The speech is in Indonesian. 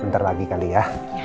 bentar lagi kali ya